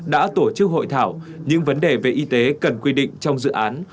đã tổ chức hội thảo những vấn đề về y tế cần quy định trong dự án